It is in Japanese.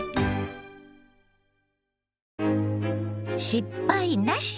「失敗なし！